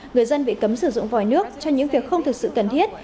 người dân bị cấm sử dụng vòi nước cho những việc không thực sự cần thiết